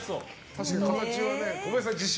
確かに、形はね。